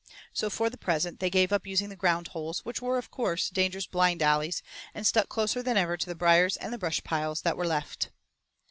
So for the present they gave up using the ground holes, which were, of course, dangerous blind alleys, and stuck closer than ever to the briers and the brush piles that were left.